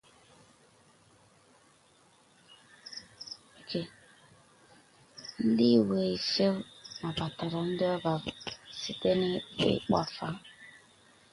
The owners welcome visitors by appointment.